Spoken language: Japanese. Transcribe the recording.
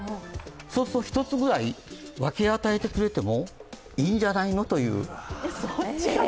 そうすると１つぐらい、分け与えてくれてもいいんじゃないのという。